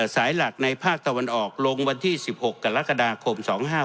สายหลักในภาคตะวันออกลงวันที่๑๖กรกฎาคม๒๕๖๖